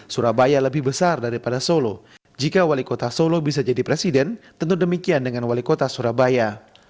surabaya lebih besar daripada solo jika wali kota solo bisa jadi presiden tentu demikian dengan wali kota surabaya